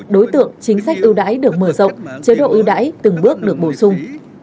đối tượng chính sách ưu đãi được mở rộng chế độ ưu đãi từng bước được bổ sung